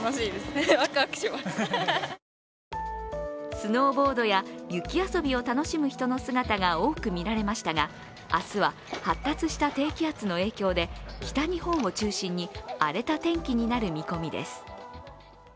スノーボードや雪遊びを楽しむ人の姿が多く見られましたが明日は発達した低気圧の影響で北日本を中心に荒れた天気になる見込みです。